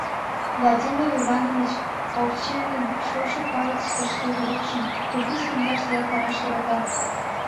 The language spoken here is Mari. Владимир Иванович Овчинин шошо пагытыште шке урокшым пӱртӱс лоҥгаш эртараш йӧрата.